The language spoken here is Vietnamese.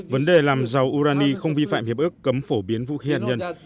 vấn đề làm giàu urani không vi phạm hiệp ước cấm phổ biến vũ khí hạt nhân